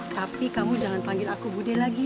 tapi kamu jangan panggil aku budi lagi ya